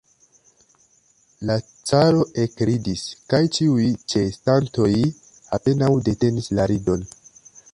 La caro ekridis, kaj ĉiuj ĉeestantoj apenaŭ detenis la ridon.